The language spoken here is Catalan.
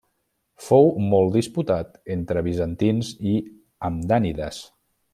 Fou molt disputat entre bizantins i hamdànides.